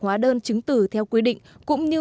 hóa đơn chứng từ theo quy định cũng như